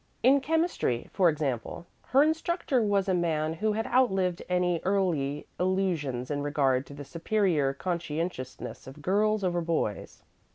In chemistry, for example, her instructor was a man who had outlived any early illusions in regard to the superior conscientiousness of girls over boys.